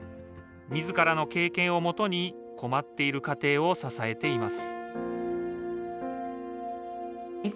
みずからの経験をもとに困っている家庭を支えています